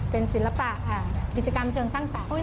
เป็นศิลปะของกิจกรรมเชิงสร้างศาพโมบาย